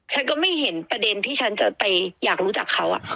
ฉันก็ไม่เห็นประเด็นที่ฉันจะไปอยากรู้จักเขา